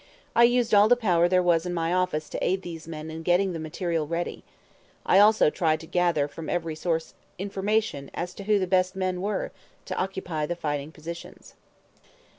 I used all the power there was in my office to aid these men in getting the material ready. I also tried to gather from every source information as to who the best men were to occupy the fighting positions.